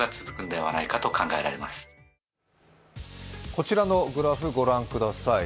こちらのグラフご覧ください。